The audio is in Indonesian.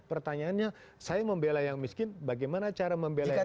pertanyaannya saya membela yang miskin bagaimana cara membela yang